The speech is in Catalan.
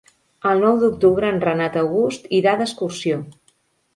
El nou d'octubre en Renat August irà d'excursió.